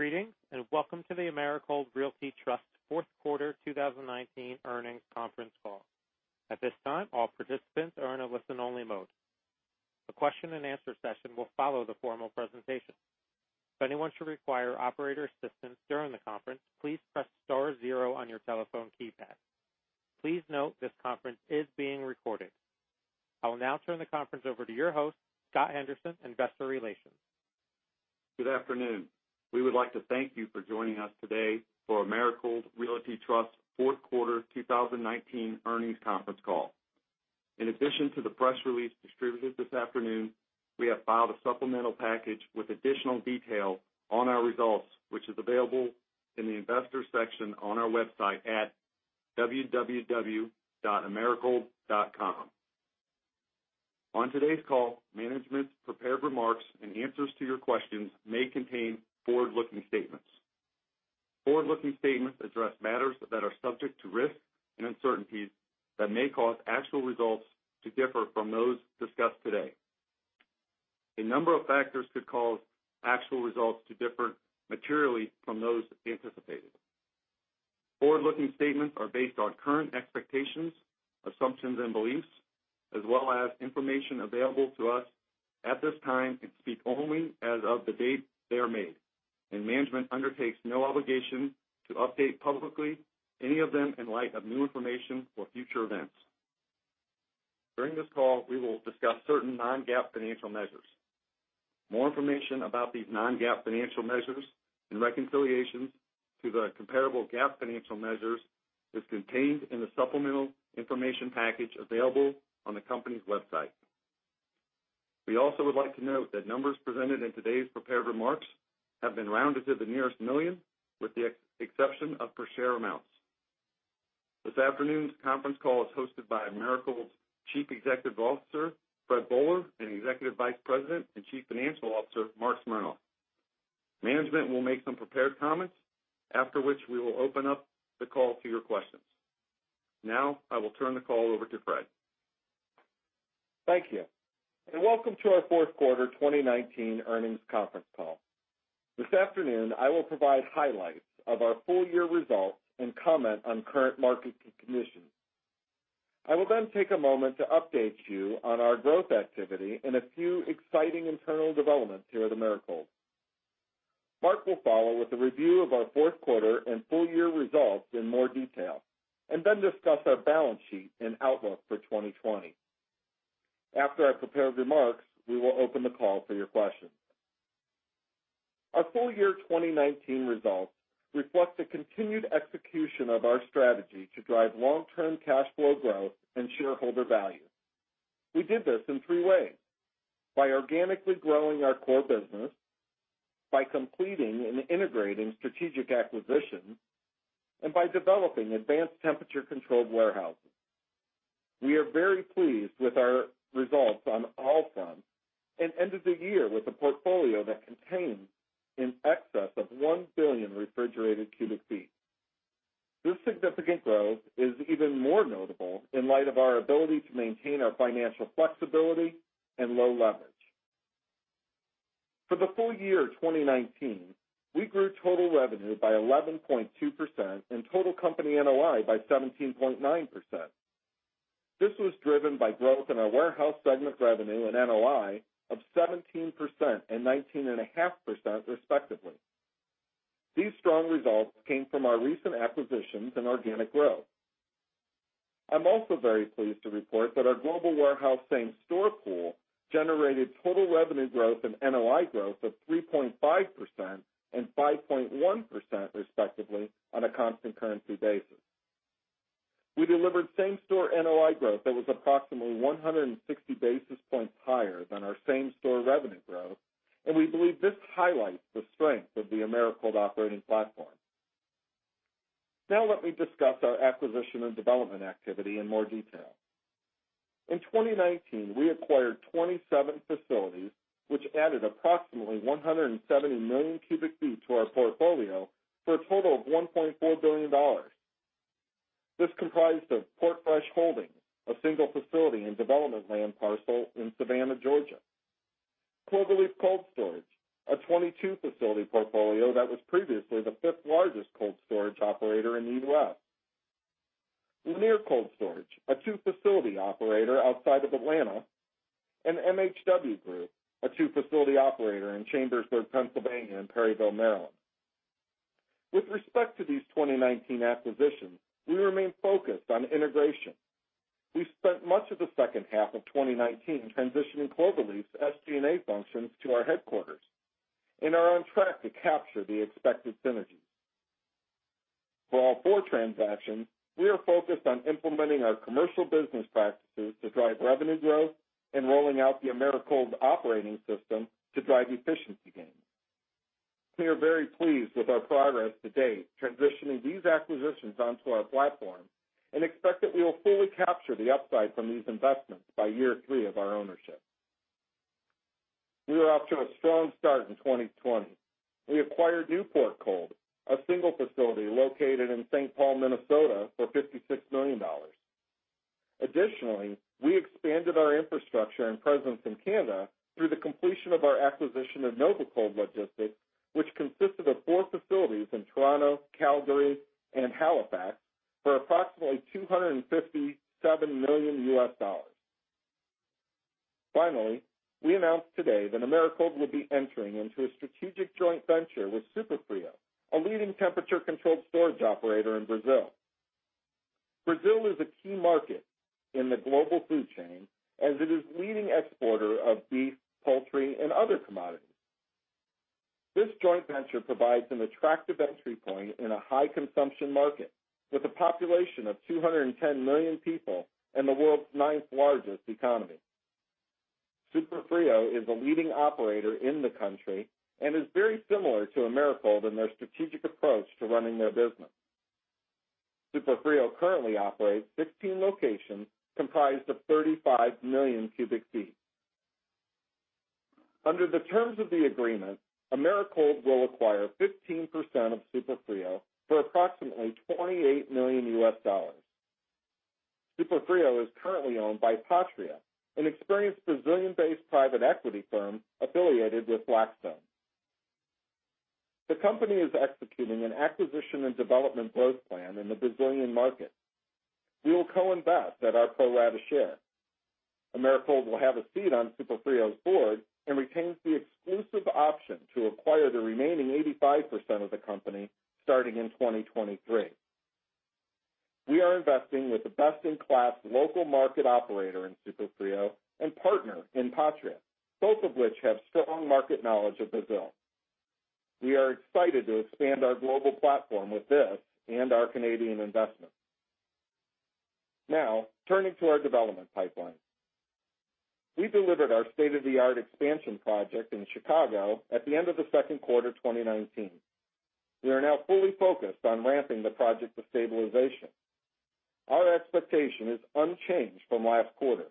Greetings, and welcome to the Americold Realty Trust fourth quarter 2019 earnings conference call. At this time, all participants are in a listen-only mode. A question and answer session will follow the formal presentation. If anyone should require operator assistance during the conference, please press star zero on your telephone keypad. Please note this conference is being recorded. I will now turn the conference over to your host, Scott Anderson, Investor Relations. Good afternoon. We would like to thank you for joining us today for Americold Realty Trust fourth quarter 2019 earnings conference call. In addition to the press release distributed this afternoon, we have filed a supplemental package with additional detail on our results, which is available in the investors section on our website at www.americold.com. On today's call, management's prepared remarks and answers to your questions may contain forward-looking statements. Forward-looking statements address matters that are subject to risks and uncertainties that may cause actual results to differ from those discussed today. A number of factors could cause actual results to differ materially from those anticipated. Forward-looking statements are based on current expectations, assumptions, and beliefs, as well as information available to us at this time and speak only as of the date they are made. Management undertakes no obligation to update publicly any of them in light of new information or future events. During this call, we will discuss certain non-GAAP financial measures. More information about these non-GAAP financial measures and reconciliations to the comparable GAAP financial measures is contained in the supplemental information package available on the company's website. We also would like to note that numbers presented in today's prepared remarks have been rounded to the nearest million, with the exception of per share amounts. This afternoon's conference call is hosted by Americold's Chief Executive Officer, Fred Boehler, and Executive Vice President and Chief Financial Officer, Marc Smernoff. Management will make some prepared comments, after which we will open up the call to your questions. Now, I will turn the call over to Fred. Thank you. Welcome to our fourth quarter 2019 earnings conference call. This afternoon, I will provide highlights of our full-year results and comment on current market conditions. I will then take a moment to update you on our growth activity and a few exciting internal developments here at Americold. Marc will follow with a review of our fourth quarter and full-year results in more detail, and then discuss our balance sheet and outlook for 2020. After our prepared remarks, we will open the call for your questions. Our full-year 2019 results reflect the continued execution of our strategy to drive long-term cash flow growth and shareholder value. We did this in three ways, by organically growing our core business, by completing and integrating strategic acquisitions, and by developing advanced temperature-controlled warehouses. We are very pleased with our results on all fronts and ended the year with a portfolio that contains in excess of 1 billion refrigerated cu ft. This significant growth is even more notable in light of our ability to maintain our financial flexibility and low leverage. For the full year 2019, we grew total revenue by 11.2% and total company NOI by 17.9%. This was driven by growth in our warehouse segment revenue and NOI of 17% and 19.5%, respectively. These strong results came from our recent acquisitions and organic growth. I'm also very pleased to report that our global warehouse same-store pool generated total revenue growth and NOI growth of 3.5% and 5.1%, respectively, on a constant currency basis. We delivered same-store NOI growth that was approximately 160 basis points higher than our same-store revenue growth, and we believe this highlights the strength of the Americold Operating Platform. Let me discuss our acquisition and development activity in more detail. In 2019, we acquired 27 facilities, which added approximately 170 million cu ft to our portfolio for a total of $1.4 billion. This comprised of PortFresh Holdings, a single facility and development land parcel in Savannah, Georgia. Cloverleaf Cold Storage, a 22-facility portfolio that was previously the fifth largest cold storage operator in the U.S. Lanier Cold Storage, a two-facility operator outside of Atlanta, and MHW Group, a two-facility operator in Chambersburg, Pennsylvania, and Perryville, Maryland. With respect to these 2019 acquisitions, we remain focused on integration. We spent much of the second half of 2019 transitioning Cloverleaf's SG&A functions to our headquarters and are on track to capture the expected synergies. For all four transactions, we are focused on implementing our commercial business practices to drive revenue growth and rolling out the Americold Operating System to drive efficiency gains. We are very pleased with our progress to date transitioning these acquisitions onto our platform and expect that we will fully capture the upside from these investments by year three of our ownership. We were off to a strong start in 2020. We acquired Newport Cold, a single facility located in St. Paul, Minnesota, for $56 million. Additionally, we expanded our infrastructure and presence in Canada through the completion of our acquisition of Nova Cold Logistics, which consisted of four facilities in Toronto, Calgary, and Halifax for approximately $257 million USD. Finally, we announced today that Americold will be entering into a strategic joint venture with SuperFrio, a leading temperature-controlled storage operator in Brazil. Brazil is a key market in the global food chain as it is leading exporter of beef, poultry, and other commodities. This joint venture provides an attractive entry point in a high-consumption market, with a population of 210 million people and the world's ninth-largest economy. SuperFrio is a leading operator in the country and is very similar to Americold in their strategic approach to running their business. SuperFrio currently operates 16 locations comprised of 35 million cu ft. Under the terms of the agreement, Americold will acquire 15% of SuperFrio for approximately $28 million. SuperFrio is currently owned by Patria, an experienced Brazilian-based private equity firm affiliated with Blackstone. The company is executing an acquisition and development growth plan in the Brazilian market. We will co-invest at our pro rata share. Americold will have a seat on SuperFrio's board and retains the exclusive option to acquire the remaining 85% of the company starting in 2023. We are investing with a best-in-class local market operator in SuperFrio and partner in Patria, both of which have strong market knowledge of Brazil. We are excited to expand our global platform with this and our Canadian investment. Turning to our development pipeline. We delivered our state-of-the-art expansion project in Chicago at the end of the second quarter 2019. We are now fully focused on ramping the project to stabilization. Our expectation is unchanged from last quarter.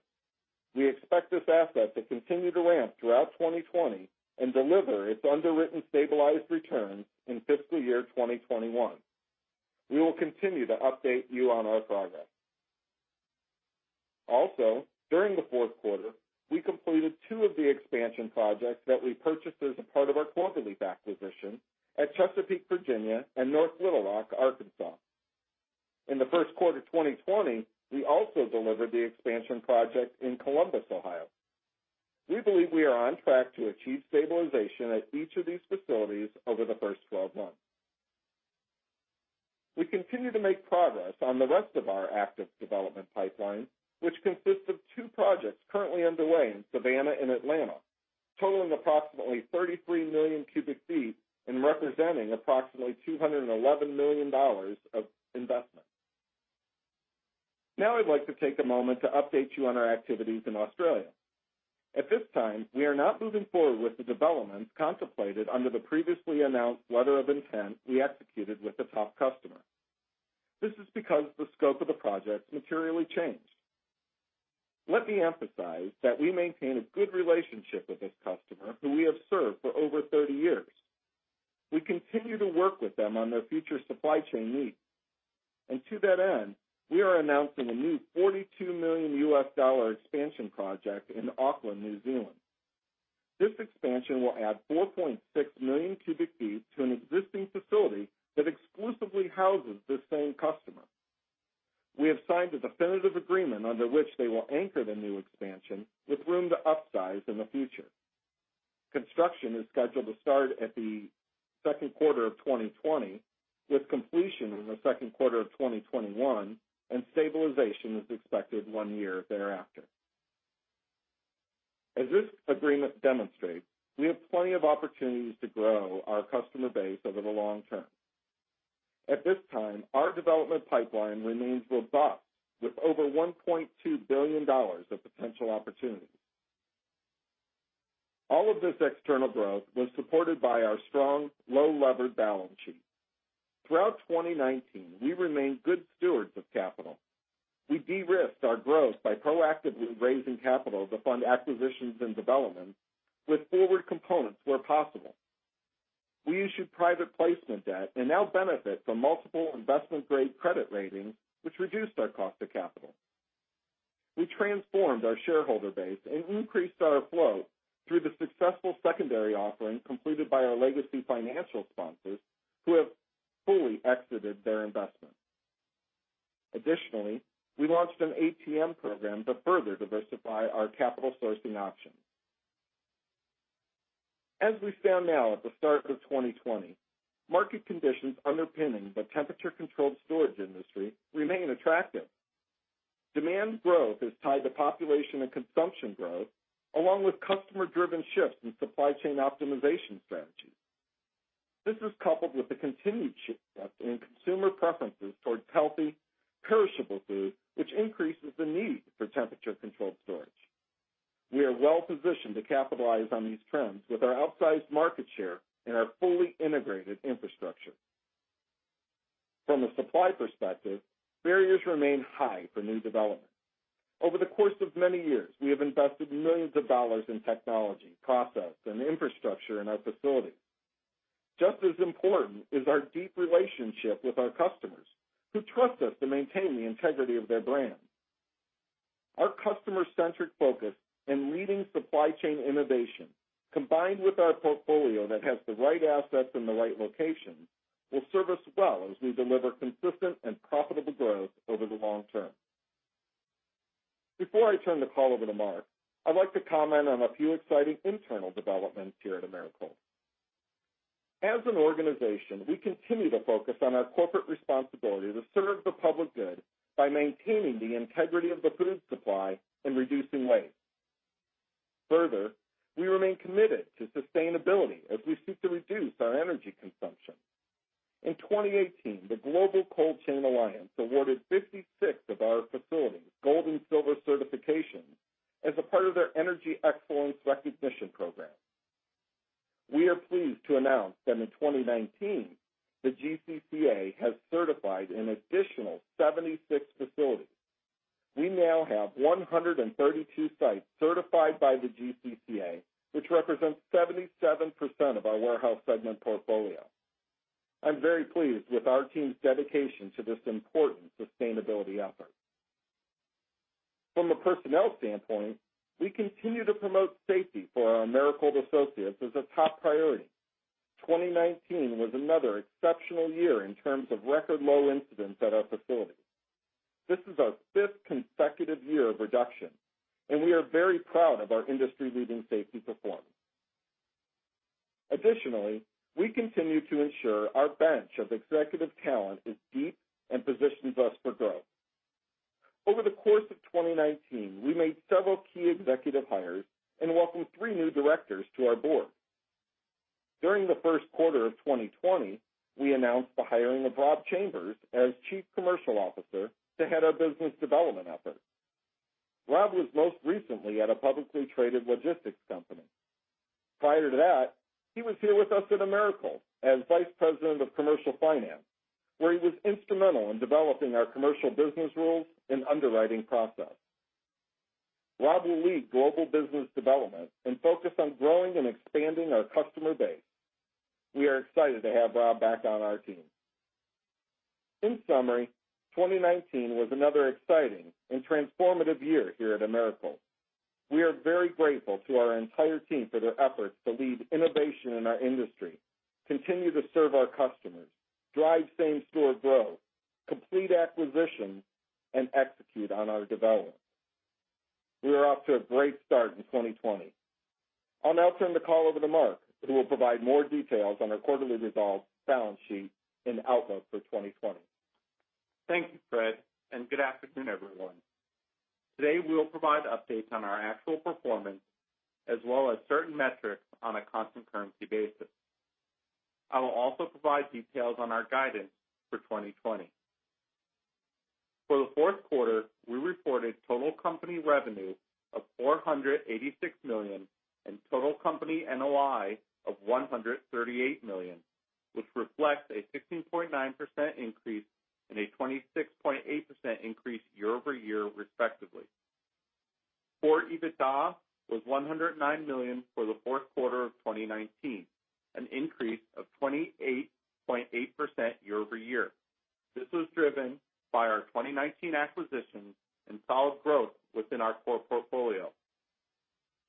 We expect this asset to continue to ramp throughout 2020 and deliver its underwritten stabilized returns in fiscal year 2021. We will continue to update you on our progress. During the fourth quarter, we completed two of the expansion projects that we purchased as a part of our Cloverleaf acquisition at Chesapeake, Virginia and North Little Rock, Arkansas. In the first quarter 2020, we also delivered the expansion project in Columbus, Ohio. We believe we are on track to achieve stabilization at each of these facilities over the first 12 months. We continue to make progress on the rest of our active development pipeline, which consists of two projects currently underway in Savannah and Atlanta, totaling approximately 33 million cu ft and representing approximately $211 million of investment. I'd like to take a moment to update you on our activities in Australia. At this time, we are not moving forward with the developments contemplated under the previously announced letter of intent we executed with the top customer. This is because the scope of the project materially changed. Let me emphasize that we maintain a good relationship with this customer who we have served for over 30 years. We continue to work with them on their future supply chain needs. To that end, we are announcing a new $42 million U.S. expansion project in Auckland, New Zealand. This expansion will add 4.6 million cu ft to an existing facility that exclusively houses this same customer. We have signed a definitive agreement under which they will anchor the new expansion with room to upsize in the future. Construction is scheduled to start at the second quarter of 2020 with completion in the second quarter of 2021, and stabilization is expected one year thereafter. As this agreement demonstrates, we have plenty of opportunities to grow our customer base over the long term. At this time, our development pipeline remains robust with over $1.2 billion of potential opportunities. All of this external growth was supported by our strong, low-levered balance sheet. Throughout 2019, we remained good stewards of capital. We de-risked our growth by proactively raising capital to fund acquisitions and development with forward components where possible. We issued private placement debt and now benefit from multiple investment-grade credit ratings, which reduced our cost to capital. We transformed our shareholder base and increased our flow through the successful secondary offering completed by our legacy financial sponsors who have fully exited their investment. Additionally, we launched an ATM program to further diversify our capital sourcing options. As we stand now at the start of 2020, market conditions underpinning the temperature-controlled storage industry remain attractive. Demand growth is tied to population and consumption growth, along with customer-driven shifts in supply chain optimization strategy. This is coupled with the continued shift in consumer preferences towards healthy, perishable food, which increases the need for temperature-controlled storage. We are well-positioned to capitalize on these trends with our outsized market share and our fully integrated infrastructure. From a supply perspective, barriers remain high for new development. Over the course of many years, we have invested millions of dollars in technology, process, and infrastructure in our facilities. Just as important is our deep relationship with our customers who trust us to maintain the integrity of their brand. Our customer-centric focus and leading supply chain innovation, combined with our portfolio that has the right assets in the right locations, will serve us well as we deliver consistent and profitable growth over the long term. Before I turn the call over to Marc, I'd like to comment on a few exciting internal developments here at Americold. As an organization, we continue to focus on our corporate responsibility to serve the public good by maintaining the integrity of the food supply and reducing waste. We remain committed to sustainability as we seek to reduce our energy consumption. In 2018, the Global Cold Chain Alliance awarded 56 of our facilities gold and silver certifications as a part of their Energy Excellence Recognition Program. We are pleased to announce that in 2019, the GCCA has certified an additional 76 facilities. We now have 132 sites certified by the GCCA, which represents 77% of our warehouse segment portfolio. I'm very pleased with our team's dedication to this important sustainability effort. From a personnel standpoint, we continue to promote safety for our Americold associates as a top priority. 2019 was another exceptional year in terms of record low incidents at our facilities. This is our fifth consecutive year of reduction, and we are very proud of our industry-leading safety performance. Additionally, we continue to ensure our bench of executive talent is deep and positions us for growth. Over the course of 2019, we made several key executive hires and welcomed three new directors to our board. During the first quarter of 2020, we announced the hiring of Rob Chambers as Chief Commercial Officer to head our business development efforts. Rob was most recently at a publicly traded logistics company. Prior to that, he was here with us at Americold as Vice President of Commercial Finance, where he was instrumental in developing our commercial business rules and underwriting process. Rob will lead global business development and focus on growing and expanding our customer base. We are excited to have Rob back on our team. In summary, 2019 was another exciting and transformative year here at Americold. We are very grateful to our entire team for their efforts to lead innovation in our industry, continue to serve our customers, drive same-store growth, complete acquisitions, and execute on our developments. We are off to a great start in 2020. I'll now turn the call over to Marc, who will provide more details on our quarterly results, balance sheet, and outlook for 2020. Thank you, Fred. Good afternoon, everyone. Today, we will provide updates on our actual performance, as well as certain metrics on a constant currency basis. I will also provide details on our guidance for 2020. For the fourth quarter, we reported total company revenue of $486 million and total company NOI of $138 million, which reflects a 16.9% increase and a 26.8% increase year-over-year, respectively. Core EBITDA was $109 million for the fourth quarter of 2019, an increase of 28.8% year-over-year. This was driven by our 2019 acquisitions and solid growth within our core portfolio.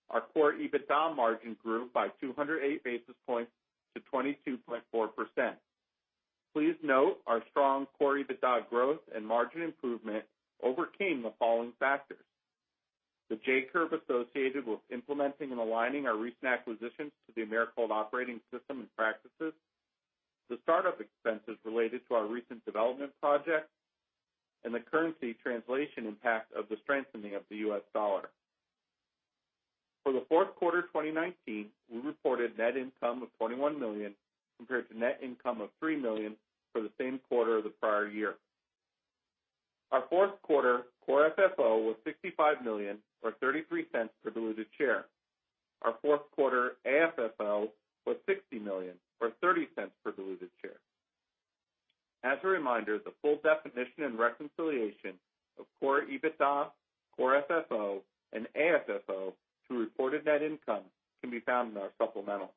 Our Core EBITDA margin grew by 208 basis points to 22.4%. Please note our strong Core EBITDA growth and margin improvement overcame the following factors: The J-curve associated with implementing and aligning our recent acquisitions to the Americold Operating System and practices, the start-up expenses related to our recent development projects, and the currency translation impact of the strengthening of the U.S. dollar. For the fourth quarter 2019, we reported net income of $21 million, compared to net income of $3 million for the same quarter of the prior year. Our fourth quarter Core FFO was $65 million, or $0.33 per diluted share. Our fourth quarter AFFO was $60 million, or $0.30 per diluted share. As a reminder, the full definition and reconciliation of Core EBITDA, Core FFO, and AFFO to reported net income can be found in our supplemental.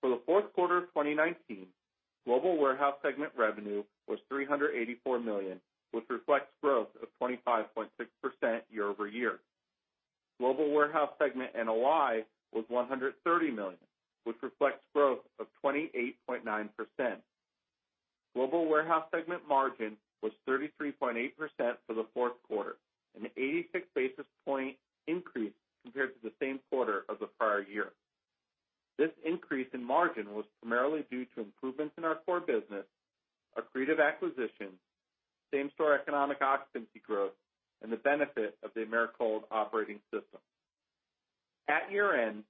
For the fourth quarter of 2019, global warehouse segment revenue was $384 million, which reflects growth of 25.6% year-over-year. Global warehouse segment NOI was $130 million, reflects growth of 28.9%. Global warehouse segment margin was 33.8% for the fourth quarter, an 86 basis point increase compared to the same quarter of the prior year. This increase in margin was primarily due to improvements in our core business, accretive acquisitions, same-store economic occupancy growth, and the benefit of the Americold Operating System. At year-end,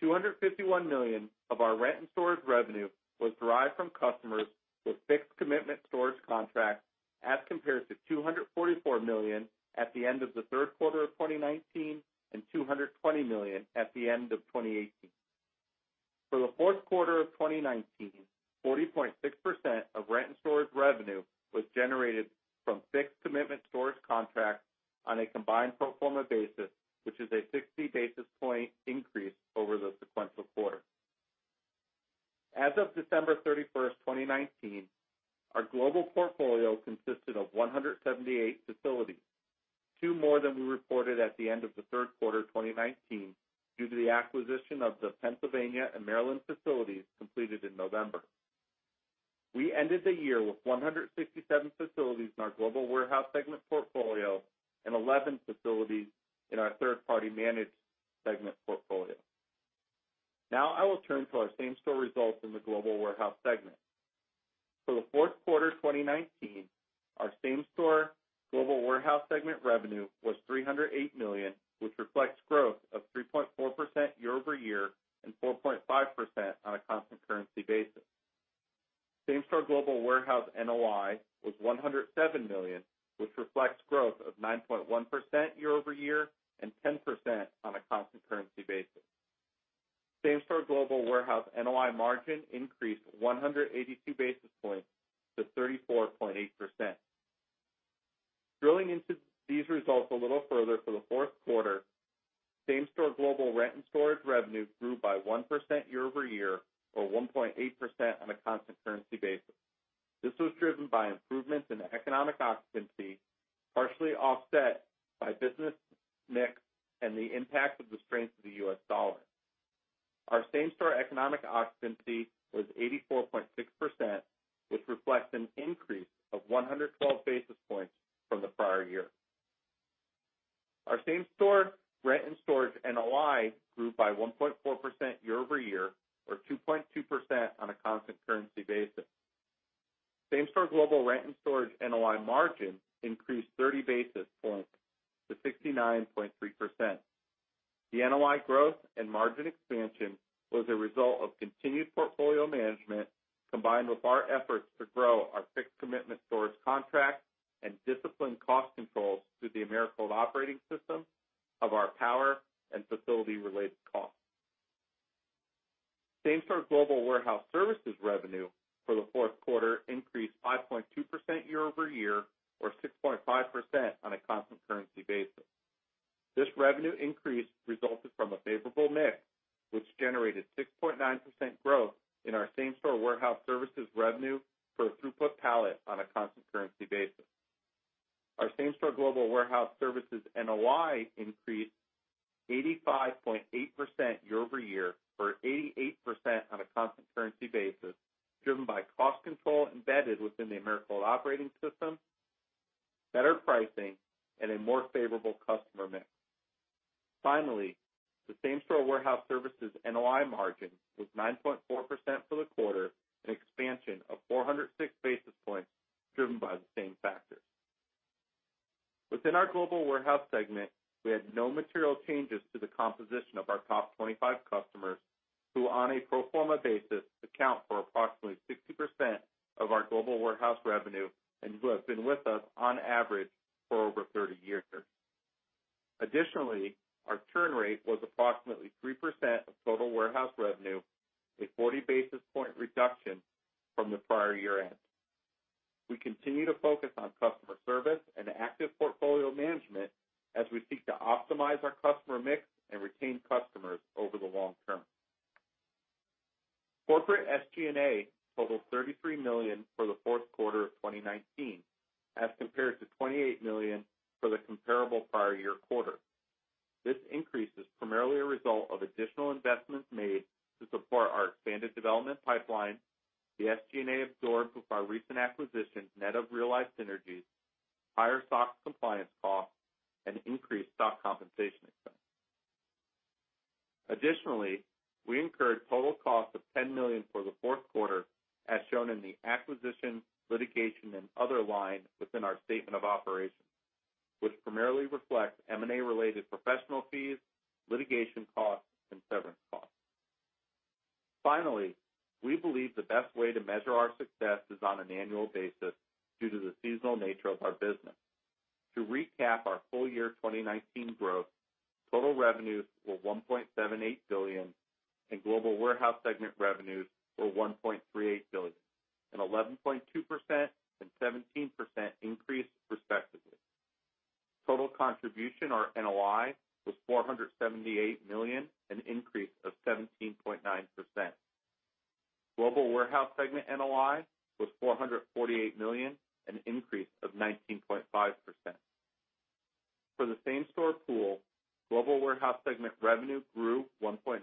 $251 million of our rent and storage revenue was derived from customers with fixed commitment storage contracts, as compared to $244 million at the end of the third quarter of 2019 and $220 million at the end of 2018. For the fourth quarter of 2019, 40.6% of rent and storage revenue was generated from fixed commitment storage contracts on a combined pro forma basis, a 60 basis point increase over the sequential quarter. As of December 31st, 2019, our global portfolio consisted of 178 facilities, two more than we reported at the end of the third quarter 2019 due to the acquisition of the Pennsylvania and Maryland facilities completed in November. We ended the year with 167 facilities in our Global Warehouse Segment portfolio and 11 facilities in our third-party managed segment portfolio. I will turn to our same-store results in the Global Warehouse Segment. For the fourth quarter 2019, our same-store Global Warehouse Segment revenue was $308 million, which reflects growth of 3.4% year-over-year and 4.5% on a constant currency basis. Same-store Global Warehouse NOI was $107 million, which reflects growth of 9.1% year-over-year and 10% on a constant currency basis. Same-store Global Warehouse NOI margin increased 182 basis points to 34.8%. Drilling into these results a little further for the fourth quarter, Same-Store global rent and storage revenue grew by 1% year-over-year, or 1.8% on a constant currency basis. This was driven by improvements in economic occupancy, partially offset by business mix and the impact of the strength of the U.S. dollar. Our Same-Store economic occupancy was 84.6%, which reflects an increase of 112 basis points from the prior year. Our Same-Store rent and storage NOI grew by 1.4% year-over-year, or 2.2% on a constant currency basis. Same-Store global rent and storage NOI margin increased 30 basis points to 69.3%. The NOI growth and margin expansion was a result of continued portfolio management combined with our efforts to grow our fixed commitment storage contracts and discipline cost controls through the Americold Operating System of our power and facility related costs. Same-store global warehouse services revenue for the fourth quarter increased 5.2% year-over-year, or 6.5% on a constant currency basis. This revenue increase resulted from a favorable mix, which generated 6.9% growth in our same-store warehouse services revenue per throughput pallet on a constant currency basis. Our same-store global warehouse services NOI increased 85.8% year-over-year, or 88% on a constant currency basis, driven by cost control embedded within the Americold Operating System, better pricing, and a more favorable customer mix. Finally, the same-store warehouse services NOI margin was 9.4% for the quarter, an expansion of 406 basis points driven by the same factors. Within our global warehouse segment, we had no material changes to the composition of our top 25 customers, who on a pro forma basis, account for approximately 60% of our global warehouse revenue and who have been with us on average for over 30 years. Our churn rate was approximately 3% of total warehouse revenue, a 40 basis point reduction from the prior year end. We continue to focus on customer service and active portfolio management as we seek to optimize our customer mix and retain customers over the long term. Corporate SG&A totaled $33 million for the fourth quarter of 2019 as compared to $28 million for the comparable prior year quarter. This increase is primarily a result of additional investments made to support our expanded development pipeline, the SG&A absorbed with our recent acquisitions net of realized synergies, higher stock compliance costs, and increased stock compensation expense. Additionally, we incurred total costs of $10 million for the fourth quarter as shown in the acquisition, litigation, and other line within our statement of operations, which primarily reflects M&A related professional fees, litigation costs, and severance costs. Finally, we believe the best way to measure our success is on an annual basis due to the seasonal nature of our business. To recap our full year 2019 growth, total revenues were $1.78 billion and global warehouse segment revenues were $1.38 billion, an 11.2% and 17% increase respectively. Total contribution or NOI was $478 million, an increase of 17.9%. Global warehouse segment NOI was $448 million, an increase of 19.5%. For the same-store pool, global warehouse segment revenue grew 1.9%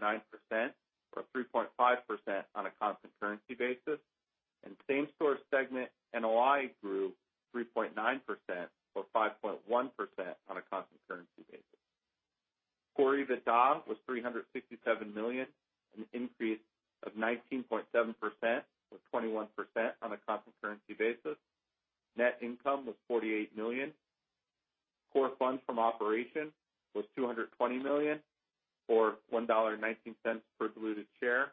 or 3.5% on a constant currency basis, and same-store segment NOI grew 3.9% or 5.1% on a constant currency basis. Core EBITDA was $367 million, an increase of 19.7% or 21% on a constant currency basis. Net income was $48 million. Core Funds From Operations was $220 million, or $1.19 per diluted share,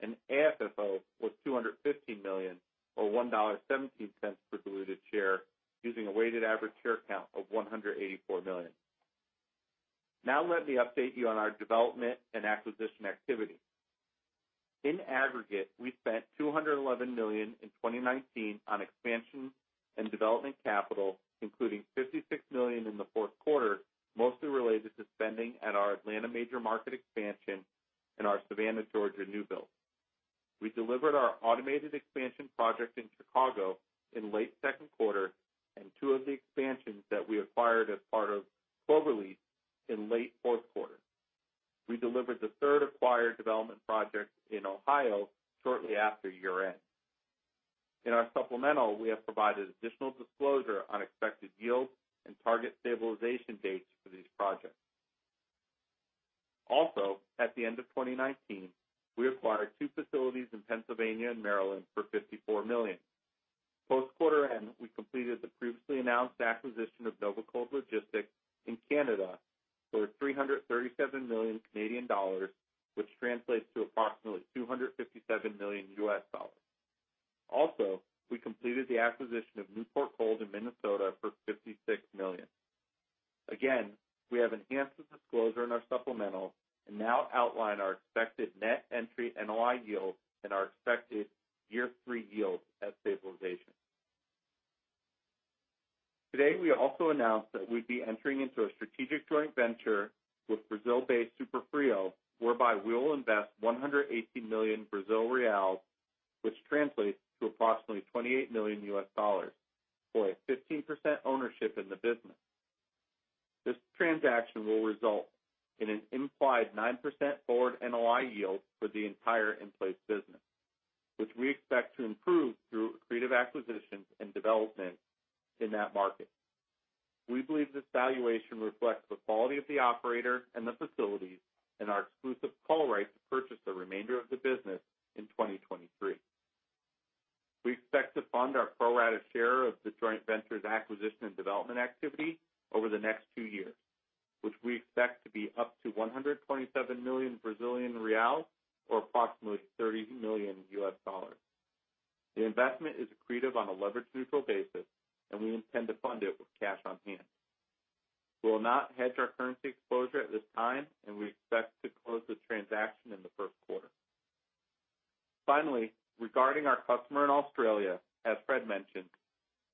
and AFFO was $215 million or $1.17 per diluted share using a weighted average share count of 184 million. Let me update you on our development and acquisition activity. In aggregate, we spent $211 million in 2019 on expansion and development capital, including $56 million in the fourth quarter, mostly related to spending at our Atlanta major market expansion and our Savannah, Georgia new build. We delivered our automated expansion project in Chicago in late second quarter and two of the expansions that we acquired as part of Cloverleaf in late fourth quarter. We delivered the third acquired development project in Ohio shortly after year-end. In our supplemental, we have provided additional disclosure on expected yield and target stabilization dates for these projects. At the end of 2019, we acquired two facilities in Pennsylvania and Maryland for $54 million. Post quarter end, we completed the previously announced acquisition of Nova Cold Logistics in Canada for 337 million Canadian dollars, which translates to approximately $257 million. We completed the acquisition of Newport Cold in Minnesota for $56 million. Again, we have enhanced the disclosure in our supplemental and now outline our expected net entry NOI yield and our expected year three yields at stabilization. Today, we also announced that we'd be entering into a strategic joint venture with Brazil-based SuperFrio, whereby we will invest 118 million, which translates to approximately $28 million, for a 15% ownership in the business. This transaction will result in an implied 9% forward NOI yield for the entire in-place business, which we expect to improve through accretive acquisitions and development in that market. We believe this valuation reflects the quality of the operator and the facilities and our exclusive call right to purchase the remainder of the business in 2023. We expect to fund our pro rata share of the joint venture's acquisition and development activity over the next two years, which we expect to be up to 127 million Brazilian reais or approximately $30 million. The investment is accretive on a leverage-neutral basis, and we intend to fund it with cash on hand. We will not hedge our currency exposure at this time, and we expect to close the transaction in the first quarter. Finally, regarding our customer in Australia, as Fred mentioned,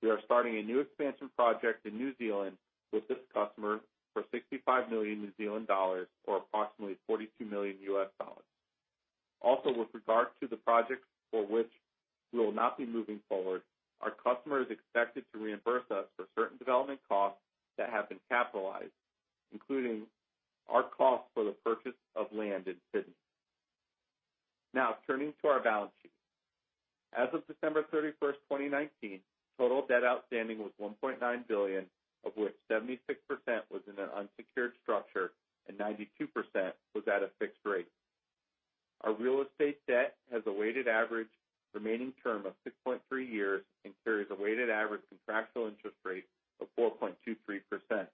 we are starting a new expansion project in New Zealand with this customer for 65 million New Zealand dollars or approximately $42 million. Also, with regard to the project for which we will not be moving forward, our customer is expected to reimburse us for certain development costs that have been capitalized, including our cost for the purchase of land in Sydney. Now, turning to our balance sheet. As of December 31st, 2019, total debt outstanding was $1.9 billion, of which 76% was in an unsecured structure and 92% was at a fixed rate. Our real estate debt has a weighted average remaining term of 6.3 years and carries a weighted average contractual interest rate of 4.23%.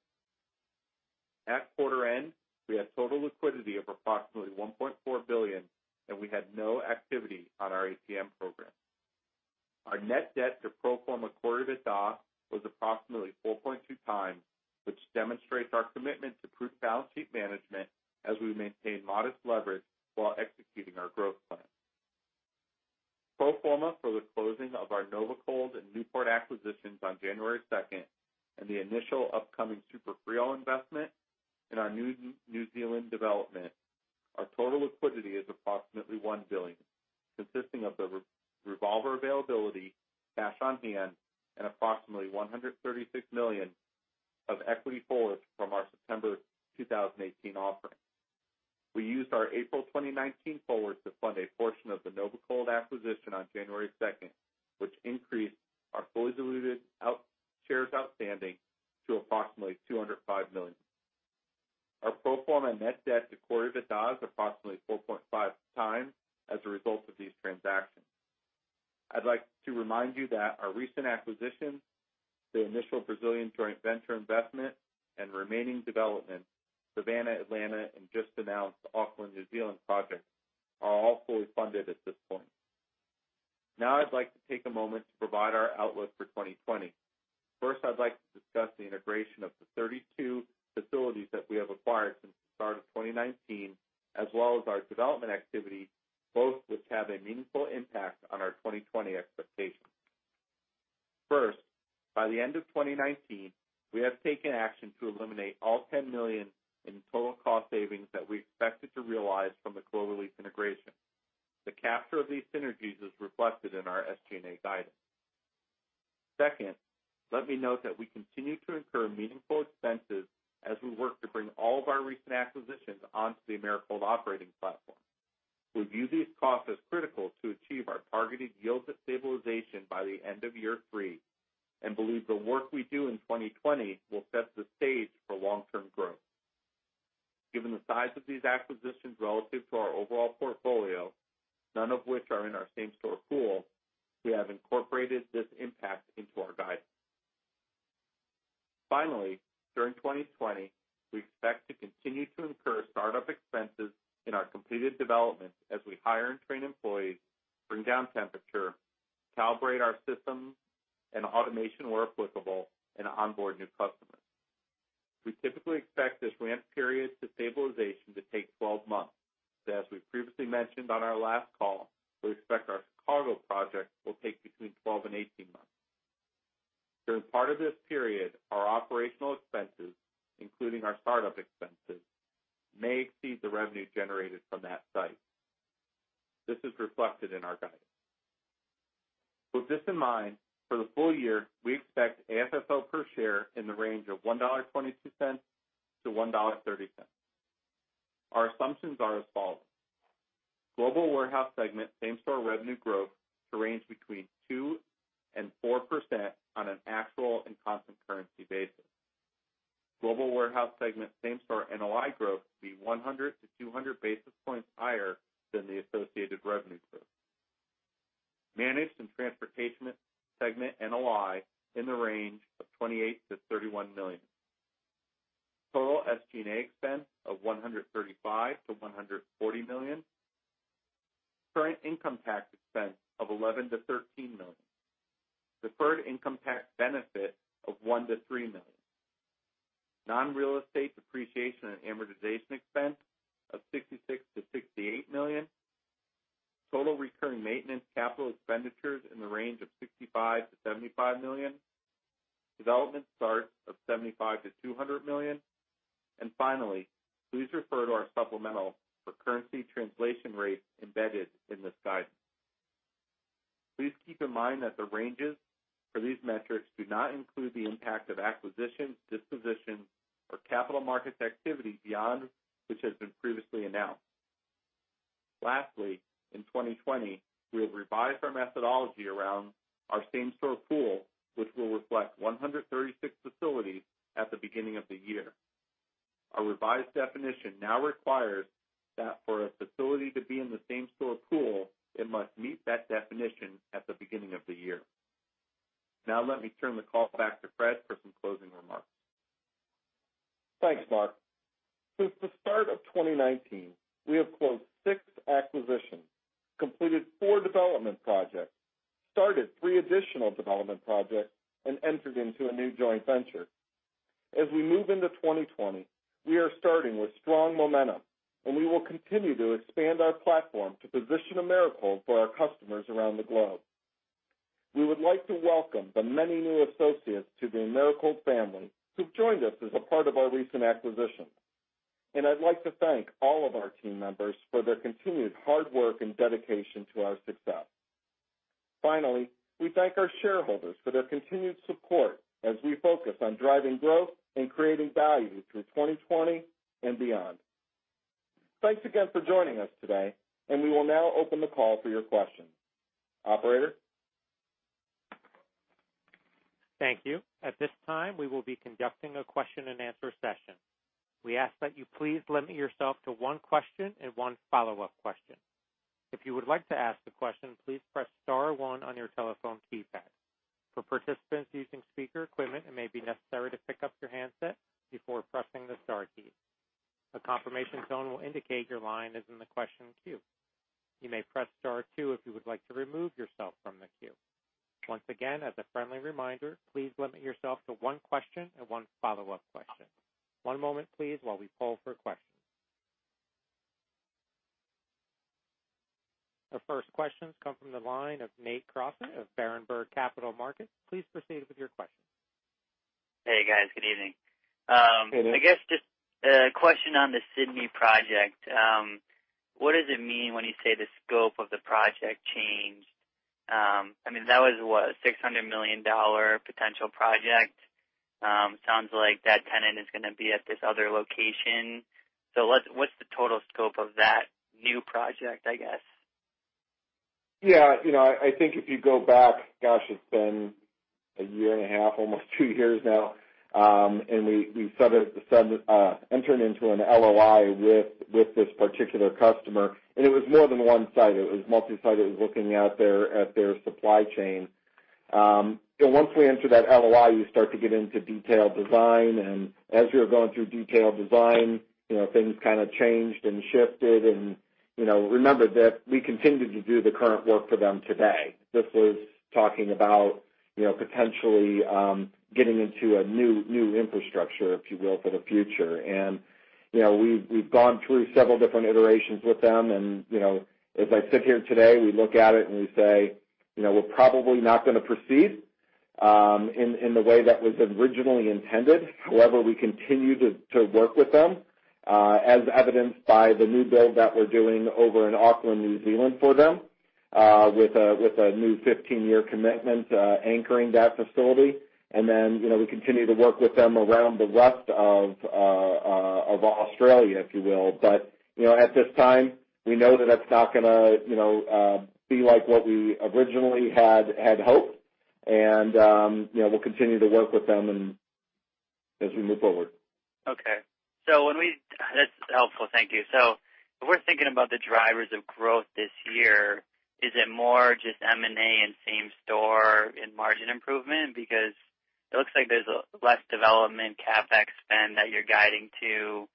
At quarter end, we had total liquidity of approximately $1.4 billion, and we had no activity on our ATM program. Our net debt to pro forma quarter to date was approximately 4.2x, which demonstrates our commitment to prudent balance sheet management as we maintain modest leverage while executing our growth plan. Pro forma for the closing of our Nova Cold and Newport acquisitions on January 2nd, 2020, and the initial upcoming SuperFrio investment in our New Zealand development, our total liquidity is approximately $1 billion, consisting of the revolver availability, cash on hand, and approximately $136 million of equity fullness from our September 2018 offering. We used our April 2019 forward to fund a portion of the Nova Cold acquisition on January 2nd, 2020, which increased our fully diluted shares outstanding to approximately 205 million. Our pro forma net debt to quarter to date is approximately 4.5x as a result of these transactions. I'd like to remind you that our recent acquisitions, the initial Brazilian joint venture investment, and remaining development, Savannah, Atlanta, and just announced Auckland, New Zealand project, are all fully funded at this point. I'd like to take a moment to provide our outlook for 2020. First, I'd like to discuss the integration of the 32 facilities that we have acquired since the start of 2019, as well as our development activity, both which have a meaningful impact on our 2020 expectations. First, by the end of 2019, we have taken action to eliminate all $10 million in total cost savings that we expected to realize from the Cloverleaf integration. The capture of these synergies is reflected in our SG&A guidance. Second, let me note that we continue to incur meaningful expenses as we work to bring all of our recent acquisitions onto the Americold Operating Platform. We view these costs as critical to achieve our targeted yields at stabilization by the end of year three and believe the work we do in 2020 will set the stage for long-term growth. Given the size of these acquisitions relative to our overall portfolio, none of which are in our Same-Store pool, we have incorporated this impact into our guidance. During 2020, we expect to continue to incur startup expenses in our completed developments as we hire and train employees, bring down temperature, calibrate our system and automation where applicable, and onboard new customers. We typically expect this ramp period to stabilization to take 12 months. As we've previously mentioned on our last call, we expect our and we will continue to expand our platform to position Americold for our customers around the globe. We would like to welcome the many new associates to the Americold family who've joined us as a part of our recent acquisitions. I'd like to thank all of our team members for their continued hard work and dedication to our success. Finally, we thank our shareholders for their continued support as we focus on driving growth and creating value through 2020 and beyond. Thanks again for joining us today, and we will now open the call for your questions. Operator? Thank you. At this time, we will be conducting a question and answer session. We ask that you please limit yourself to one question and one follow-up question. If you would like to ask a question, please press star one on your telephone keypad. For participants using speaker equipment, it may be necessary to pick up your handset before pressing the star key. A confirmation tone will indicate your line is in the question queue. You may press star two if you would like to remove yourself from the queue. Once again, as a friendly reminder, please limit yourself to one question and one follow-up question. One moment, please, while we poll for questions. Our first questions come from the line of Nate Crossett of Berenberg Capital Markets. Please proceed with your question. Hey, guys. Good evening. Good evening. I guess just a question on the Sydney project. What does it mean when you say the scope of the project changed? That was what, a $600 million potential project? Sounds like that tenant is going to be at this other location. What's the total scope of that new project, I guess? Yeah. I think if you go back, gosh, it's been a year and a half, almost two years now. We entered into an LOI with this particular customer. It was more than one site. It was multi-site. It was looking out there at their supply chain. Once we enter that LOI, you start to get into detailed design, and as you're going through detailed design, things kind of changed and shifted. Remember that we continue to do the current work for them today. This was talking about potentially getting into a new infrastructure, if you will, for the future. We've gone through several different iterations with them. As I sit here today, we look at it and we say, we're probably not going to proceed in the way that was originally intended. However, we continue to work with them, as evidenced by the new build that we're doing over in Auckland, New Zealand for them, with a new 15-year commitment anchoring that facility. Then, we continue to work with them around the rest of Australia, if you will. At this time, we know that that's not going to be like what we originally had hoped. We'll continue to work with them as we move forward. Okay. That's helpful. Thank you. If we're thinking about the drivers of growth this year, is it more just M&A and same-store and margin improvement? It looks like there's less development CapEx spend that you're guiding to.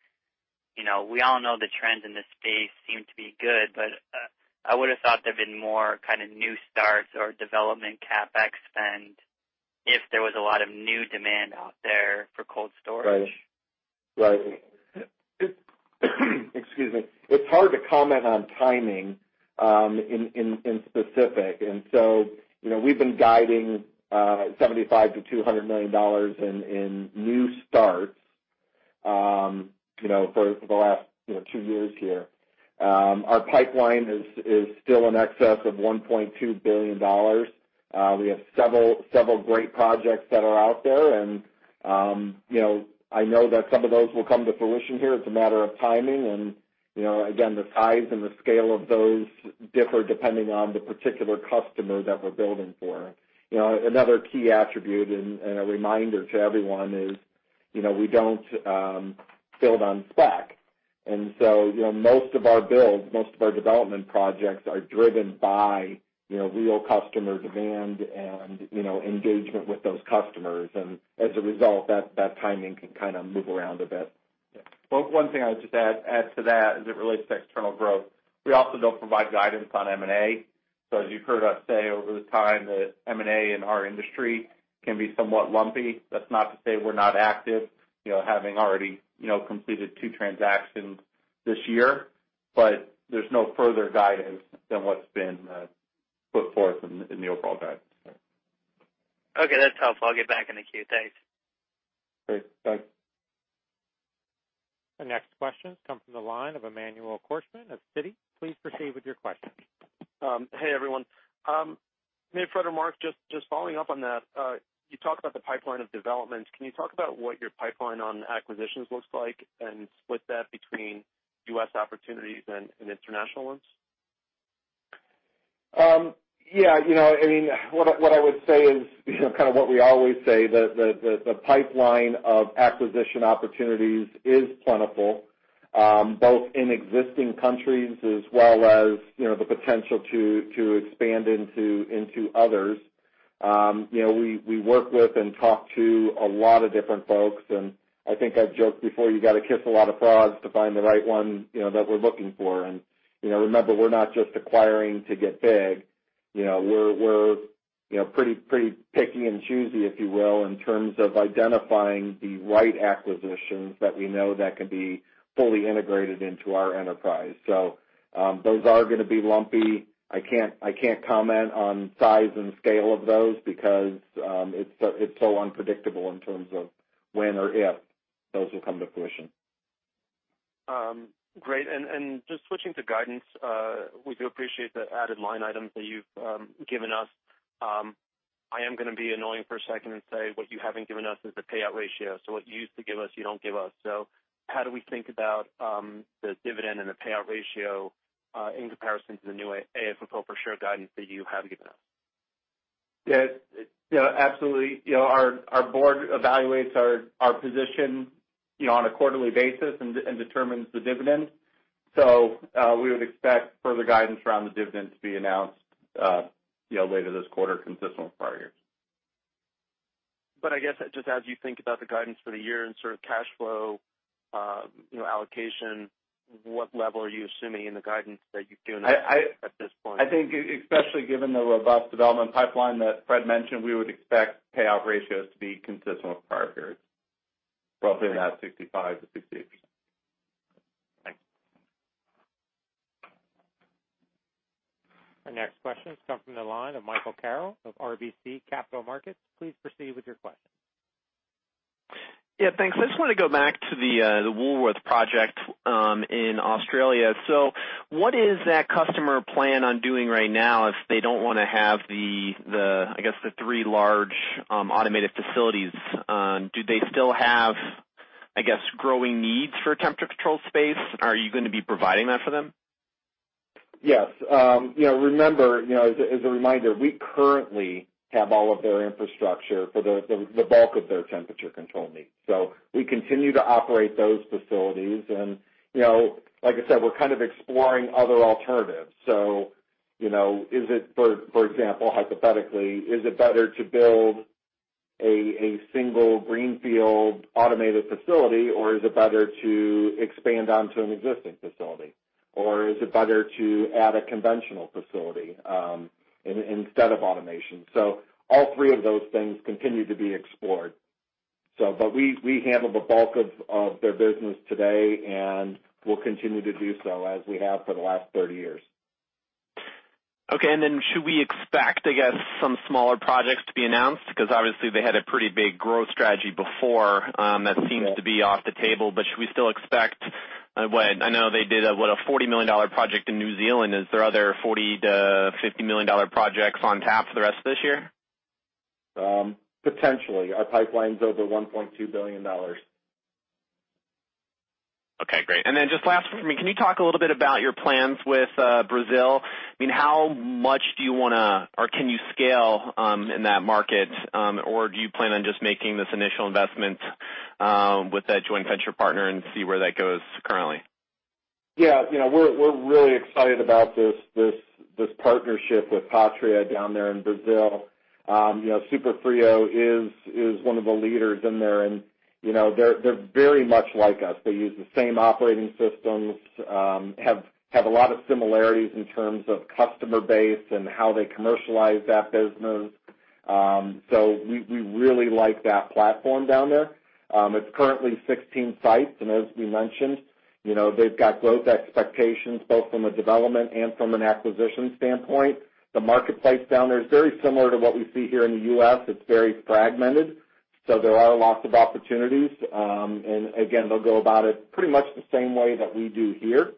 We all know the trends in this space seem to be good, but I would've thought there'd been more kind of new starts or development CapEx spend if there was a lot of new demand out there for cold storage. Right. Excuse me. It's hard to comment on timing in specific. We've been guiding $75 million-$200 million in new starts for the last two years here. Our pipeline is still in excess of $1.2 billion. We have several great projects that are out there. I know that some of those will come to fruition here. It's a matter of timing. Again, the size and the scale of those differ depending on the particular customer that we're building for. Another key attribute and a reminder to everyone is, we don't build on spec. Most of our builds, most of our development projects are driven by real customer demand and engagement with those customers. As a result, that timing can kind of move around a bit. Well, one thing I would just add to that as it relates to external growth, we also don't provide guidance on M&A. As you've heard us say over the time that M&A in our industry can be somewhat lumpy. That's not to say we're not active, having already completed two transactions this year, but there's no further guidance than what's been put forth in the overall guidance. Okay. That's helpful. I'll get back in the queue. Thanks. Great. Bye. Our next question comes from the line of Emmanuel Korchman of Citi. Please proceed with your question. Hey, everyone. Maybe Fred or Marc, just following up on that, you talked about the pipeline of development. Can you talk about what your pipeline on acquisitions looks like and split that between U.S. opportunities and international ones? Yeah. What I would say is kind of what we always say, the pipeline of acquisition opportunities is plentiful, both in existing countries as well as the potential to expand into others. We work with and talk to a lot of different folks, I think I've joked before, you got to kiss a lot of frogs to find the right one that we're looking for. Remember, we're not just acquiring to get big. We're pretty picky and choosy, if you will, in terms of identifying the right acquisitions that we know that can be fully integrated into our enterprise. Those are gonna be lumpy. I can't comment on size and scale of those because it's so unpredictable in terms of when or if those will come to fruition. Great. Just switching to guidance, we do appreciate the added line items that you've given us. I am gonna be annoying for a second and say what you haven't given us is the payout ratio. What you used to give us, you don't give us. How do we think about the dividend and the payout ratio, in comparison to the new AFFO per share guidance that you have given us? Yes. Absolutely. Our board evaluates our position on a quarterly basis and determines the dividend. We would expect further guidance around the dividend to be announced later this quarter, consistent with prior years. I guess just as you think about the guidance for the year and sort of cash flow allocation, what level are you assuming in the guidance that you've given at this point? I think especially given the robust development pipeline that Fred mentioned, we would expect payout ratios to be consistent with prior periods. Probably in that 65%-68%. Thanks. Our next question comes from the line of Michael Carroll of RBC Capital Markets. Please proceed with your question. Yeah. Thanks. I just want to go back to the Woolworths project in Australia. What is that customer plan on doing right now if they don't want to have the three large automated facilities? Do they still have, I guess, growing needs for temperature-controlled space? Are you going to be providing that for them? Yes. Remember, as a reminder, we currently have all of their infrastructure for the bulk of their temperature control needs. We continue to operate those facilities and like I said, we're kind of exploring other alternatives. Is it, for example, hypothetically, is it better to build a single greenfield automated facility, or is it better to expand onto an existing facility? Or is it better to add a conventional facility instead of automation? All three of those things continue to be explored. We handle the bulk of their business today, and we'll continue to do so as we have for the last 30 years. Okay. Should we expect some smaller projects to be announced? Obviously they had a pretty big growth strategy before that seems to be off the table, should we still expect I know they did a $40 million project in New Zealand. Are there other $40 million-$50 million projects on tap for the rest of this year? Potentially. Our pipeline's over $1.2 billion. Okay, great. Just last for me, can you talk a little bit about your plans with Brazil? How much do you want to or can you scale in that market? Do you plan on just making this initial investment with that joint venture partner and see where that goes currently? Yeah. We're really excited about this partnership with Patria down there in Brazil. SuperFrio is one of the leaders in there, and they're very much like us. They use the same operating systems, have a lot of similarities in terms of customer base and how they commercialize that business. We really like that platform down there. It's currently 16 sites, and as we mentioned, they've got growth expectations both from a development and from an acquisition standpoint. The marketplace down there is very similar to what we see here in the U.S. It's very fragmented, so there are lots of opportunities. Again, they'll go about it pretty much the same way that we do here.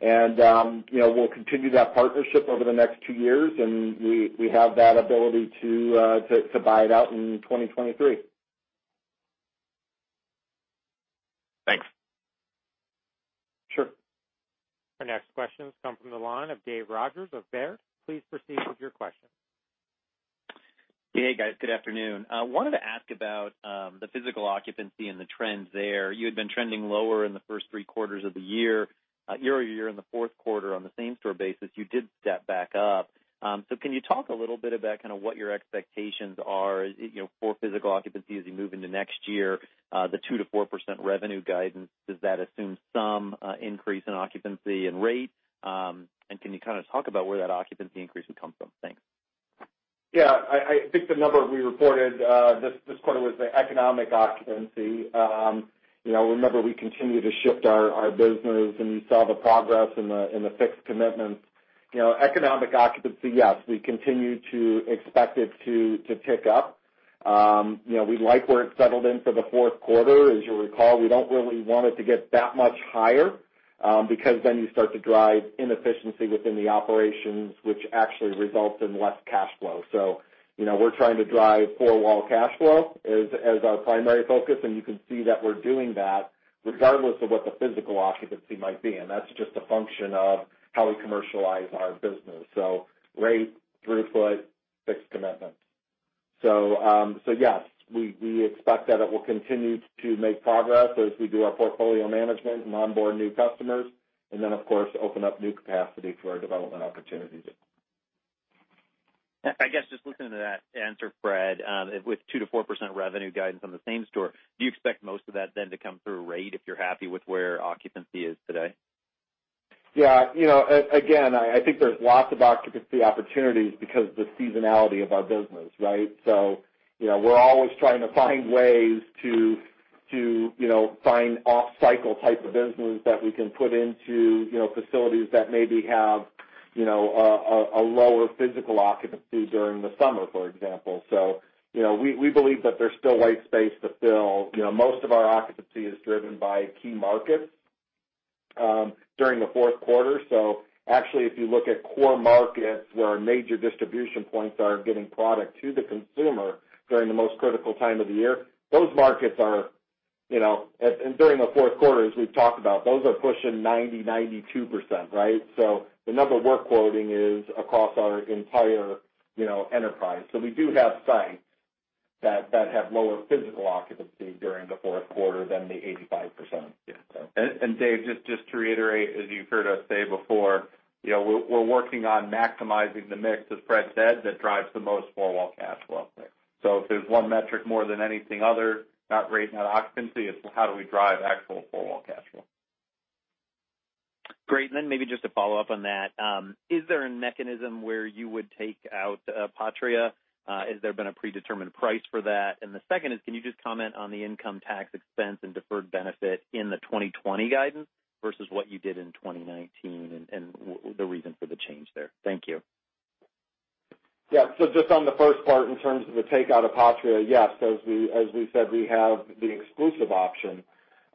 We'll continue that partnership over the next two years, and we have that ability to buy it out in 2023. Thanks. Sure. Our next question comes from the line of Dave Rodgers of Baird. Please proceed with your question. Hey, guys. Good afternoon. I wanted to ask about the physical occupancy and the trends there. You had been trending lower in the first three quarters of the year. Year-over-year in the fourth quarter on the Same-Store basis, you did step back up. Can you talk a little bit about what your expectations are for physical occupancy as you move into next year? The 2%-4% revenue guidance, does that assume some increase in occupancy and rate? Can you kind of talk about where that occupancy increase would come from? Thanks. Yeah. I think the number we reported this quarter was the economic occupancy. Remember, we continue to shift our business, and you saw the progress in the fixed commitments. Economic occupancy, yes, we continue to expect it to tick up. We like where it settled in for the fourth quarter. As you'll recall, we don't really want it to get that much higher, because then you start to drive inefficiency within the operations, which actually results in less cash flow. We're trying to drive four-wall cash flow as our primary focus, and you can see that we're doing that regardless of what the physical occupancy might be. That's just a function of how we commercialize our business. Rate, throughput, fixed commitments. Yes, we expect that it will continue to make progress as we do our portfolio management and onboard new customers, and then, of course, open up new capacity for our development opportunities. I guess just listening to that answer, Fred, with 2%-4% revenue guidance on the Same-Store, do you expect most of that then to come through rate if you're happy with where occupancy is today? Yeah. Again, I think there's lots of occupancy opportunities because the seasonality of our business, right? We're always trying to find ways to find off-cycle type of business that we can put into facilities that maybe have a lower physical occupancy during the summer, for example. We believe that there's still white space to fill. Most of our occupancy is driven by key markets during the fourth quarter. Actually, if you look at core markets where our major distribution points are getting product to the consumer during the most critical time of the year, and during the fourth quarter, as we've talked about, those are pushing 90%, 92%, right? The number we're quoting is across our entire enterprise. We do have sites that have lower physical occupancy during the fourth quarter than the 85%. Yeah. Dave, just to reiterate, as you've heard us say before, we're working on maximizing the mix, as Fred said, that drives the most four-wall cash flow. If there's one metric more than anything other, not rate, not occupancy, it's how do we drive actual four-wall cash flow. Great. Maybe just to follow up on that, is there a mechanism where you would take out Patria? Has there been a predetermined price for that? The second is, can you just comment on the income tax expense and deferred benefit in the 2020 guidance versus what you did in 2019 and the reason for the change there? Thank you. Just on the first part, in terms of the takeout of Patria, yes, as we said, we have the exclusive option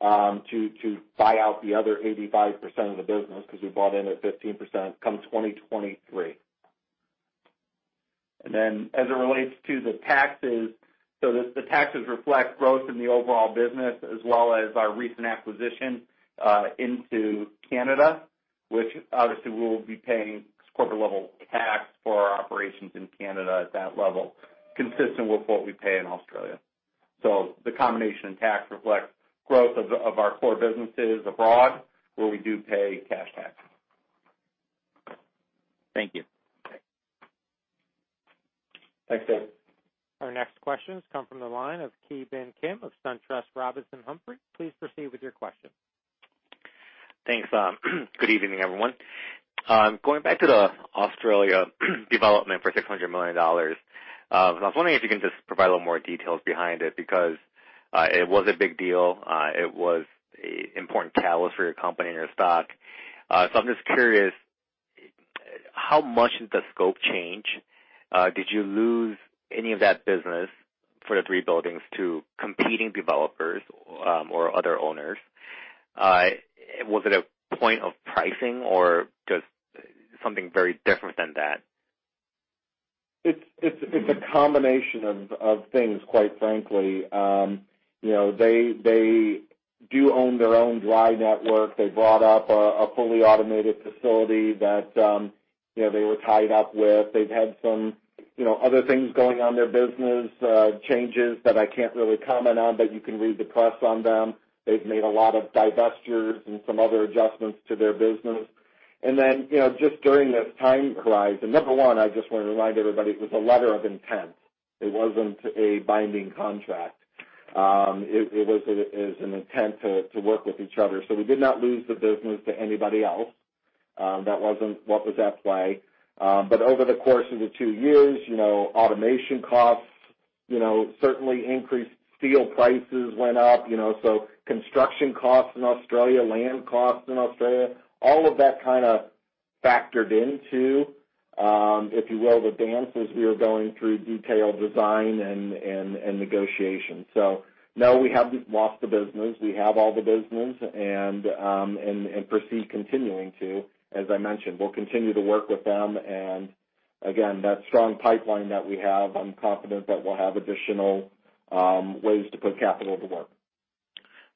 to buy out the other 85% of the business, because we bought in at 15%, come 2023. As it relates to the taxes, the taxes reflect growth in the overall business as well as our recent acquisition into Canada, which obviously we'll be paying corporate level tax for our operations in Canada at that level, consistent with what we pay in Australia. The combination in tax reflects growth of our core businesses abroad, where we do pay cash taxes. Thank you. Okay. Thanks, Dave. Our next question comes from the line of Ki Bin Kim of SunTrust Robinson Humphrey. Please proceed with your question. Thanks. Good evening, everyone. Going back to the Australia development for $600 million. I was wondering if you can just provide a little more details behind it, because it was a big deal. It was an important catalyst for your company and your stock. I'm just curious, how much did the scope change? Did you lose any of that business for the three buildings to competing developers or other owners? Was it a point of pricing or just something very different than that? It's a combination of things, quite frankly. They do own their own dry network. They bought up a fully automated facility that they were tied up with. They've had some other things going on their business, changes that I can't really comment on, but you can read the press on them. Just during this time horizon, number one, I just want to remind everybody, it was a letter of intent. It wasn't a binding contract. It was an intent to work with each other. We did not lose the business to anybody else. That wasn't what was at play. Over the course of the two years, automation costs, certainly increased steel prices went up. Construction costs in Australia, land costs in Australia, all of that kind of factored into, if you will, the dance as we were going through detailed design and negotiation. No, we haven't lost the business. We have all the business and proceed continuing to, as I mentioned. We'll continue to work with them and again, that strong pipeline that we have, I'm confident that we'll have additional ways to put capital to work.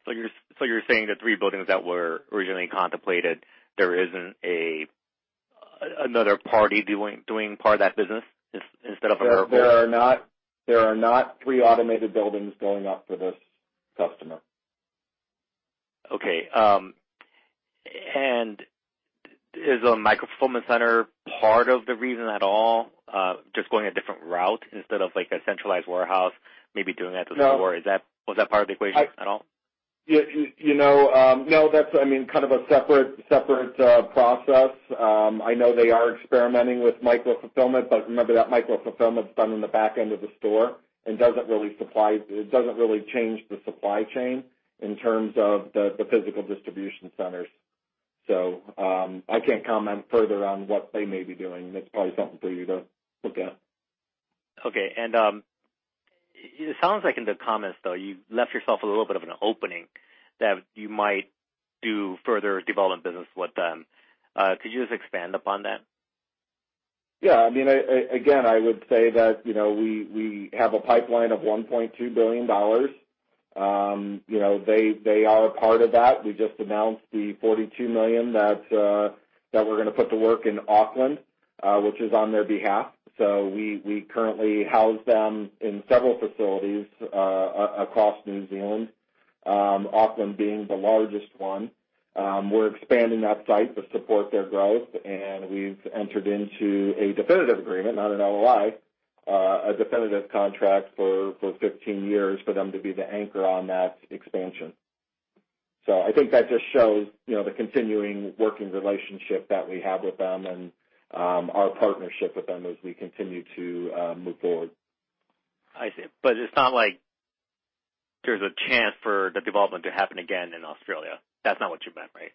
You're saying the three buildings that were originally contemplated, there isn't another party doing part of that business instead of Americold? There are not three automated buildings going up for this customer. Okay. Is a micro-fulfillment center part of the reason at all, just going a different route instead of like a centralized warehouse, maybe doing that to store? No. Was that part of the equation at all? No. That's a separate process. I know they are experimenting with micro-fulfillment, but remember that micro-fulfillment's done in the back end of the store and it doesn't really change the supply chain in terms of the physical distribution centers. I can't comment further on what they may be doing. That's probably something for you to look at. Okay. It sounds like in the comments, though, you left yourself a little bit of an opening that you might do further development business with them. Could you just expand upon that? Yeah. Again, I would say that we have a pipeline of $1.2 billion. They are a part of that. We just announced the $42 million that we're going to put to work in Auckland, which is on their behalf. We currently house them in several facilities across New Zealand, Auckland being the largest one. We're expanding that site to support their growth, and we've entered into a definitive agreement, not an LOI, a definitive contract for 15 years for them to be the anchor on that expansion. I think that just shows the continuing working relationship that we have with them and our partnership with them as we continue to move forward. I see. It's not like there's a chance for the development to happen again in Australia. That's not what you meant, right?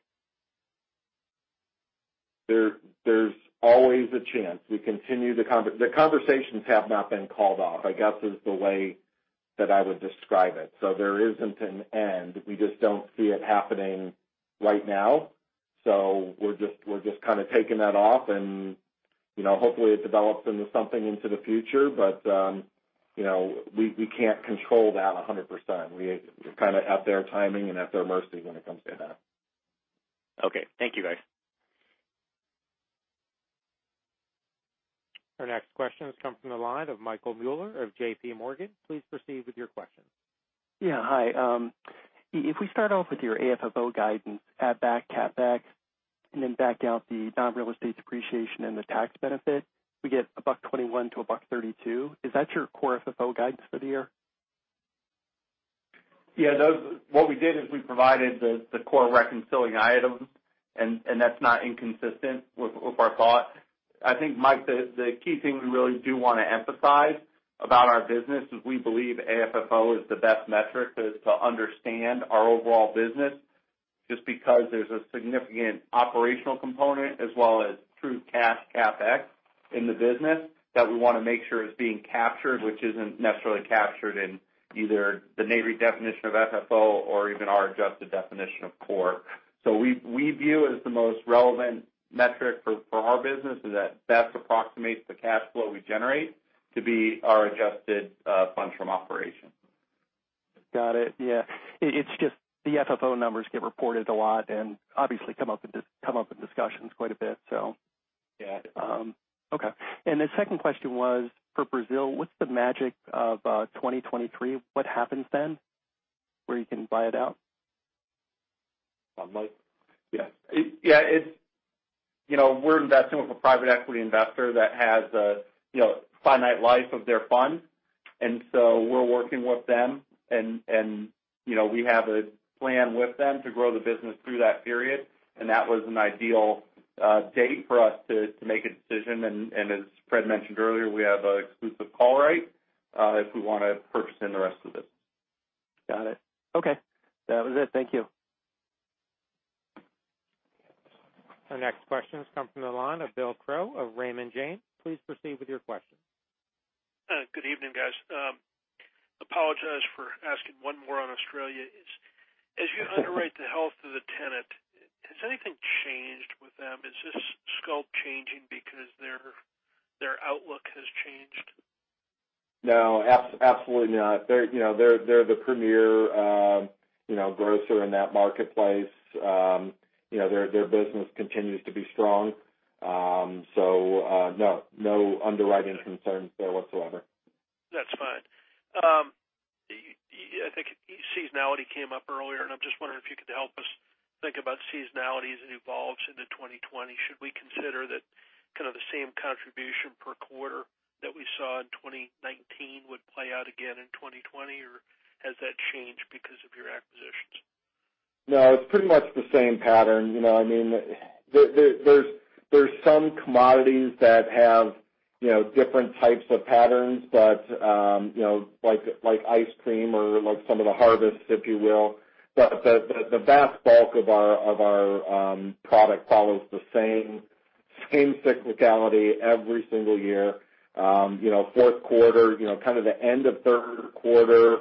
There's always a chance. The conversations have not been called off, I guess, is the way that I would describe it. There isn't an end. We just don't see it happening right now. We're just kind of taking that off and hopefully it develops into something into the future. We can't control that 100%. We're kind of at their timing and at their mercy when it comes to that. Okay. Thank you, guys. Our next question has come from the line of Michael Mueller of JPMorgan. Please proceed with your question. Yeah. Hi. If we start off with your AFFO guidance, add back CapEx, and then back out the non-real estate depreciation and the tax benefit, we get $1.21-$1.32. Is that your core FFO guidance for the year? What we did is we provided the core reconciling items, that's not inconsistent with our thought. I think, Mike, the key thing we really do want to emphasize about our business is we believe AFFO is the best metric to understand our overall business, just because there's a significant operational component as well as true cash CapEx in the business that we want to make sure is being captured, which isn't necessarily captured in either the NAREIT definition of FFO or even our adjusted definition of core. We view as the most relevant metric for our business is that best approximates the cash flow we generate to be our Adjusted Funds From Operations. Got it. Yeah. It's just the FFO numbers get reported a lot and obviously come up in discussions quite a bit. Yeah. Okay. The second question was, for Brazil, what's the magic of 2023? What happens then where you can buy it out? Marc? Yeah. We're investing with a private equity investor that has a finite life of their fund, and so we're working with them, and we have a plan with them to grow the business through that period. That was an ideal date for us to make a decision. As Fred mentioned earlier, we have an exclusive call right if we want to purchase in the rest of it. Got it. Okay. That was it. Thank you. Our next question has come from the line of Bill Crow of Raymond James. Please proceed with your question. Good evening, guys. Apologize for asking one more on Australia. As you underwrite the health of the tenant, has anything changed with them? Is this scope changing because their outlook has changed? No, absolutely not. They're the premier grocer in that marketplace. Their business continues to be strong. No. No underwriting concerns there whatsoever. That's fine. I think seasonality came up earlier, and I'm just wondering if you could help us think about seasonality as it evolves into 2020. Should we consider that kind of the same contribution per quarter that we saw in 2019 would play out again in 2020, or has that changed because of your acquisitions? No, it's pretty much the same pattern. There's some commodities that have different types of patterns, like ice cream or some of the harvests, if you will. The vast bulk of our product follows the same cyclicality every single year. Kind of the end of third quarter,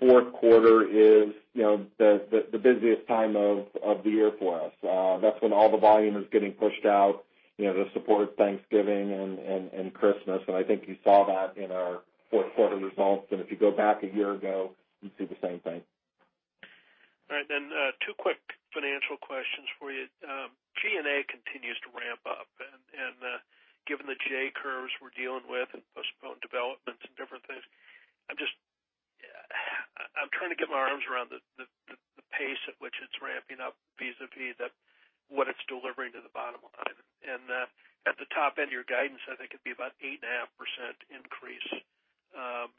fourth quarter is the busiest time of the year for us. That's when all the volume is getting pushed out to support Thanksgiving and Christmas. I think you saw that in our fourth quarter results. If you go back a year ago, you'd see the same thing. All right, two quick financial questions for you. G&A continues to ramp up, and given the J-curves we're dealing with and postponed developments and different things, I'm trying to get my arms around the pace at which it's ramping up vis-a-vis what it's delivering to the bottom line. At the top end of your guidance, I think it'd be about 8.5% increase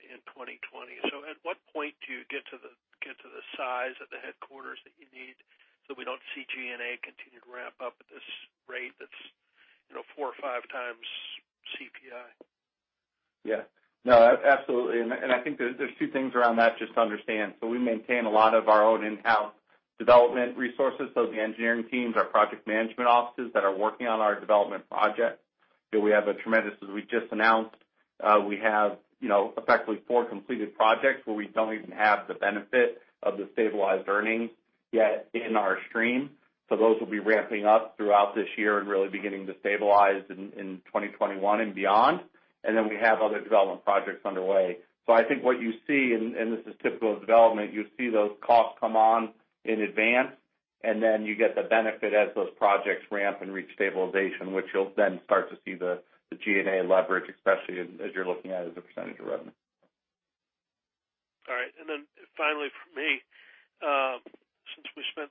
in 2020. At what point do you get to the size of the headquarters that you need so we don't see G&A continue to ramp up at this rate that's 4x, 5x CPI? Yeah. No, absolutely. I think there's two things around that just to understand. We maintain a lot of our own in-house development resources. The engineering teams, our project management offices that are working on our development projects, we have a tremendous, as we just announced, we have effectively four completed projects where we don't even have the benefit of the stabilized earnings yet in our stream. Those will be ramping up throughout this year and really beginning to stabilize in 2021 and beyond. We have other development projects underway. I think what you see, and this is typical of development, you see those costs come on in advance, and then you get the benefit as those projects ramp and reach stabilization, which you'll then start to see the G&A leverage, especially as you're looking at it as a percentage of revenue. All right, finally from me, since we spent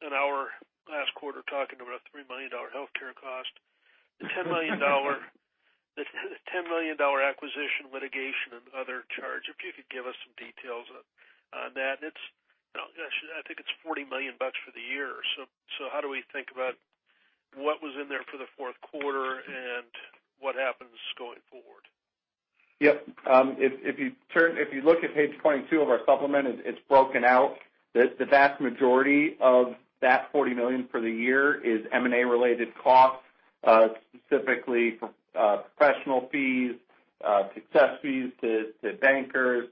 an hour last quarter talking about a $3 million healthcare cost, the $10 million acquisition litigation and other charge, if you could give us some details on that. I think it's $40 million for the year. How do we think about what was in there for the fourth quarter and what happens going forward? Yep. If you look at page 22 of our supplement, it's broken out that the vast majority of that $40 million for the year is M&A related costs, specifically professional fees, success fees to bankers,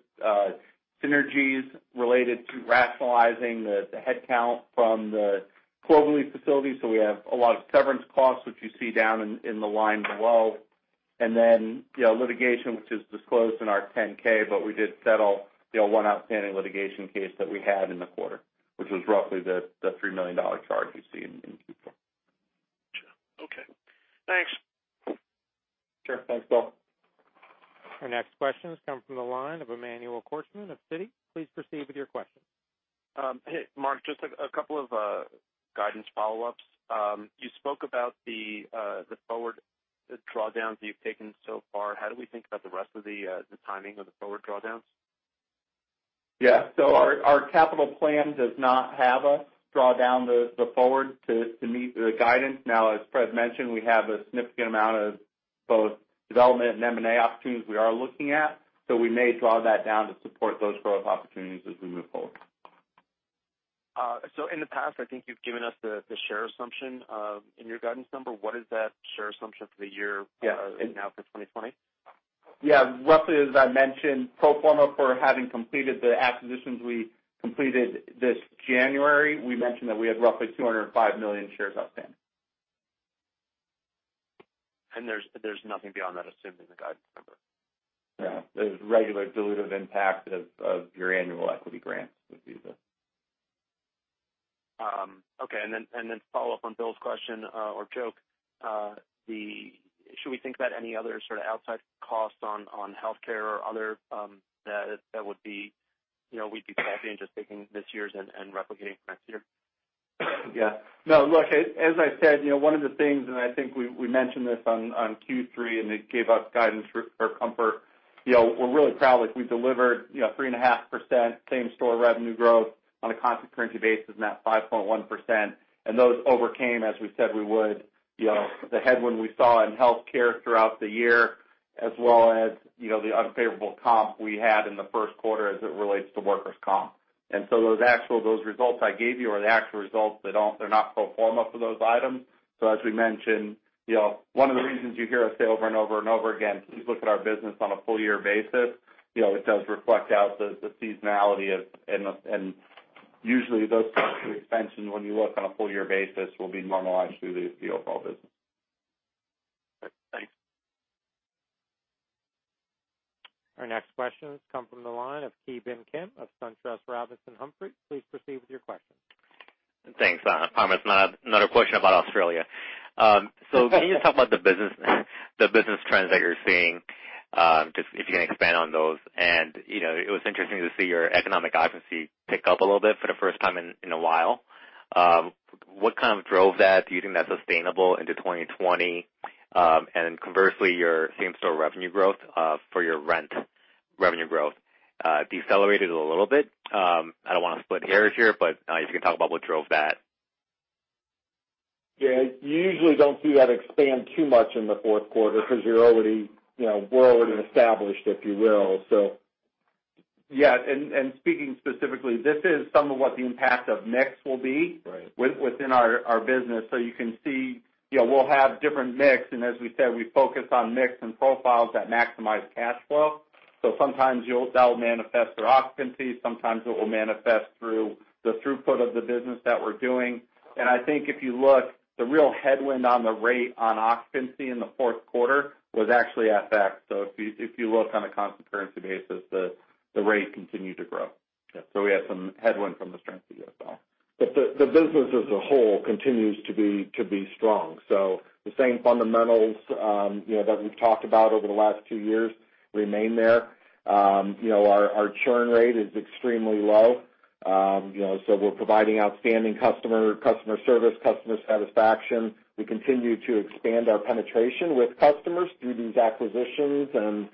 synergies related to rationalizing the headcount from the Cloverleaf facility. We have a lot of severance costs, which you see down in the line below. Litigation, which is disclosed in our 10-K, but we did settle the one outstanding litigation case that we had in the quarter, which was roughly the $3 million charge you see in Q4. Sure. Okay. Thanks. Sure. Thanks, Bill. Our next question has come from the line of Emmanuel Korchman of Citi. Please proceed with your question. Hey, Marc, just a couple of guidance follow-ups. You spoke about the forward drawdowns you've taken so far. How do we think about the rest of the timing of the forward drawdowns? Yeah. Our capital plan does not have us draw down the forward to meet the guidance. Now, as Fred mentioned, we have a significant amount of both development and M&A opportunities we are looking at. We may draw that down to support those growth opportunities as we move forward. In the past, I think you've given us the share assumption in your guidance number. What is that share assumption for the year? Yeah. Now for 2020? Yeah. Roughly as I mentioned, pro forma for having completed the acquisitions we completed this January, we mentioned that we had roughly 205 million shares outstanding. There's nothing beyond that assumed in the guidance number? Yeah. There's regular dilutive impact of your annual equity grants would be the. Okay. Follow-up on Bill's question or joke. Should we think about any other sort of outside costs on healthcare or other that would be, we'd be capturing just taking this year's and replicating next year? Yeah. No, look, as I said, one of the things, and I think we mentioned this on Q3, and it gave us guidance for comfort. We're really proud, like we delivered 3.5% Same-Store Revenue Growth on a constant currency basis, net 5.1%. Those overcame, as we said we would, the headwind we saw in healthcare throughout the year, as well as the unfavorable comp we had in the first quarter as it relates to workers' comp. As we mentioned, one of the reasons you hear us say over and over and over again, please look at our business on a full year basis. It does reflect out the seasonality and usually those types of extensions, when you look on a full year basis, will be normalized through the overall business. Thanks. Our next question comes from the line of Ki Bin Kim of SunTrust Robinson Humphrey. Please proceed with your question. Thanks. I promise not a question about Australia. Can you just talk about the business trends that you're seeing, just if you can expand on those. It was interesting to see your economic occupancy pick up a little bit for the first time in a while. What kind of drove that? Do you think that's sustainable into 2020? Conversely, your same-store revenue growth for your rent revenue growth decelerated a little bit. I don't want to split hairs here, but if you can talk about what drove that. Yeah, you usually don't see that expand too much in the fourth quarter because we're already established, if you will. Speaking specifically, this is some of what the impact of mix will be. Right. Within our business. You can see, we'll have different mix, and as we said, we focus on mix and profiles that maximize cash flow. Sometimes that will manifest through occupancy, sometimes it will manifest through the throughput of the business that we're doing. I think if you look, the real headwind on the rate on occupancy in the fourth quarter was actually FX. If you look on a constant currency basis, the rate continued to grow. Yeah. We had some headwind from the strength of the USD. The business as a whole continues to be strong. The same fundamentals that we've talked about over the last two years remain there. Our churn rate is extremely low. We're providing outstanding customer service, customer satisfaction. We continue to expand our penetration with customers through these acquisitions and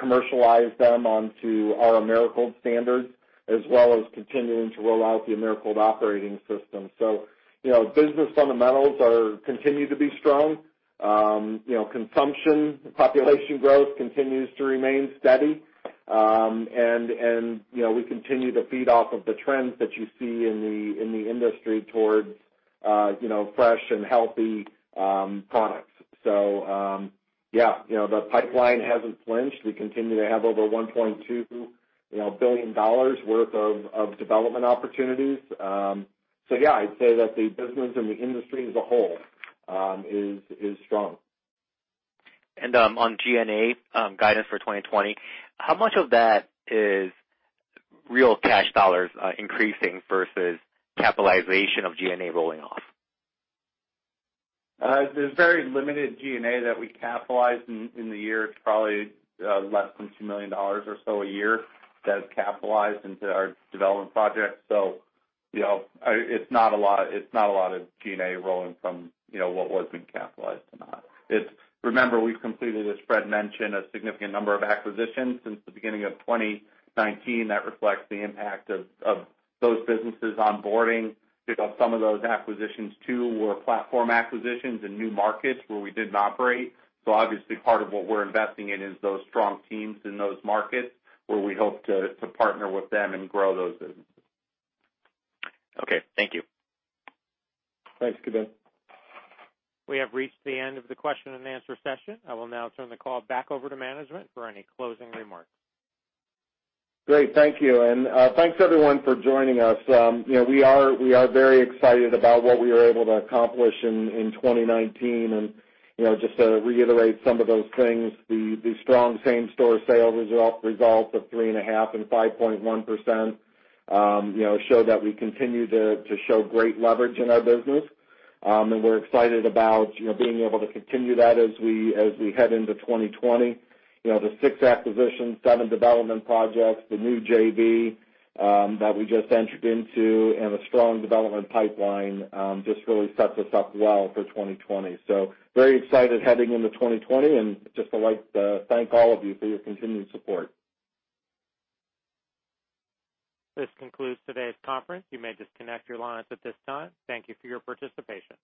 commercialize them onto our Americold standards, as well as continuing to roll out the Americold Operating System. Business fundamentals continue to be strong. Consumption, population growth continues to remain steady. We continue to feed off of the trends that you see in the industry towards fresh and healthy products. Yeah. The pipeline hasn't flinched. We continue to have over $1.2 billion worth of development opportunities. Yeah, I'd say that the business and the industry as a whole is strong. On G&A guidance for 2020, how much of that is real cash dollars increasing versus capitalization of G&A rolling off? There's very limited G&A that we capitalize in the year. It's probably less than $2 million or so a year that is capitalized into our development project. It's not a lot of G&A rolling from what was being capitalized to not. Remember, we've completed, as Fred mentioned, a significant number of acquisitions since the beginning of 2019 that reflects the impact of those businesses onboarding, because some of those acquisitions too were platform acquisitions in new markets where we didn't operate. Obviously part of what we're investing in is those strong teams in those markets, where we hope to partner with them and grow those businesses. Okay, thank you. Thanks, Ki Bin. We have reached the end of the question and answer session. I will now turn the call back over to management for any closing remarks. Great. Thank you, thanks, everyone, for joining us. We are very excited about what we were able to accomplish in 2019. Just to reiterate some of those things, the strong Same-Store sales results of 3.5% and 5.1% show that we continue to show great leverage in our business. We're excited about being able to continue that as we head into 2020. The six acquisitions, seven development projects, the new JV that we just entered into, and a strong development pipeline just really sets us up well for 2020. Very excited heading into 2020, just would like to thank all of you for your continued support. This concludes today's conference. You may disconnect your lines at this time. Thank you for your participation.